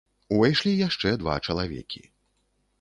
Увайшлі яшчэ два чалавекі.